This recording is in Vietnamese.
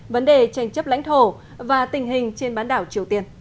vấn đề tranh chấp lãnh thổ và tình hình